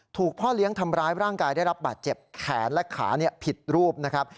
พ่อเลี้ยงทำร้ายร่างกายได้รับบาดเจ็บแขนและขาผิดรูปนะครับ